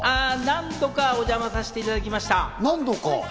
何度かお邪魔させていただきました。